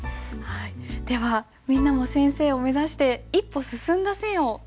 ではみんなも先生を目指して一歩進んだ線を書いてみましょう。